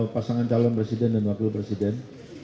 pasangan calon presiden dan wakil presiden